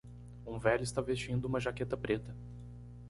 Um velho está vestindo uma jaqueta preta.